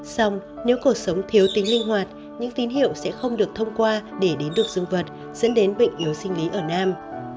xong nếu cuộc sống thiếu tính linh hoạt những tín hiệu sẽ không được thông qua để đến được dương vật dẫn đến bệnh yếu sinh lý ở nam